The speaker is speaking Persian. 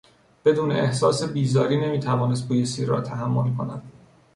بدون احساس بیزاری نمیتوانست بوی سیر را تحمل کند.